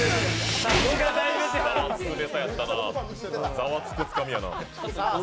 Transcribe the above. ザワつくつかみやな。